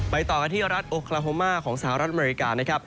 ไปต่อกันที่รัฐโอเคลโฮมาของสหรัฐอเมริกา